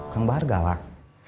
kang bahar galak